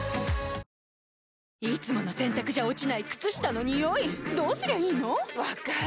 いつもの洗たくじゃ落ちない靴下のニオイどうすりゃいいの⁉分かる。